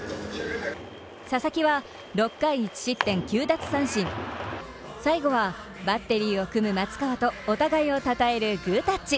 佐々木は６回１失点９奪三振、最後はバッテリーを組む松川とお互いを称えるグータッチ。